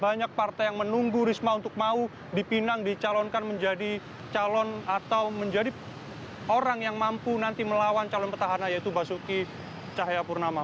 banyak partai yang menunggu risma untuk mau dipinang dicalonkan menjadi calon atau menjadi orang yang mampu nanti melawan calon petahana yaitu basuki cahayapurnama